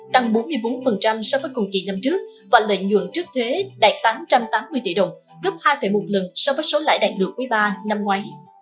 tăng bốn mươi bốn so với cùng kỳ năm trước và lợi nhuận trước thuế đạt tám trăm tám mươi tỷ đồng gấp hai một lần so với số lãi đạt được quý ba năm ngoái